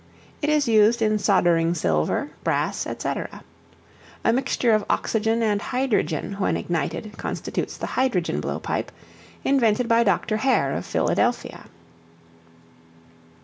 It is used in soldering silver, brass, etc. A mixture of oxygen and hydrogen when ignited constitutes the hydrogen blowpipe, invented by Dr. Hare of Philadelphia.